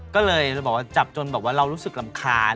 ก็เลยจับจนบอกว่าเรารู้สึกรำคาญ